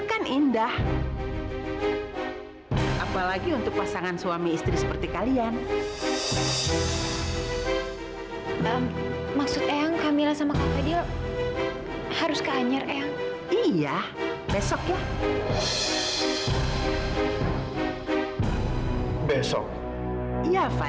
sampai jumpa di video selanjutnya